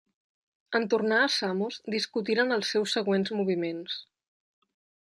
En tornar a Samos discutiren els seus següents moviments.